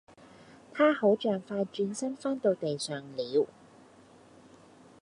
她好像快轉身翻到地上了